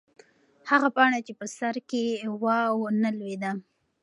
هغه پاڼه چې په سر کې وه نه لوېده.